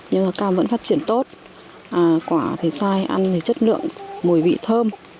nhưng cam vẫn phát triển tốt quả thì sai ăn thì chất lượng mùi vị thơm